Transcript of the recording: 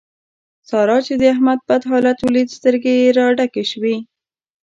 سارا چې د احمد بد حالت وليد؛ سترګې يې را ډکې شوې.